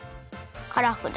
カラフル。